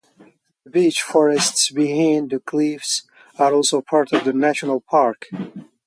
The beech forests behind the cliffs are also part of the national park.